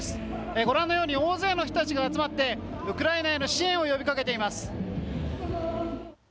ご覧のように大勢の人たちが集まってウクライナへの支援を呼びかけています。